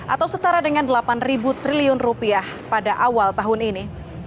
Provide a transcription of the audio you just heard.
atau setara dengan delapan triliun rupiah pada awal tahun ini